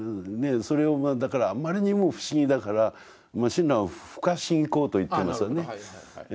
それをまああまりにも不思議だから親鸞は不可思議光と言っていますよね。